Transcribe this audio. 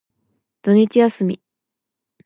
土日休み。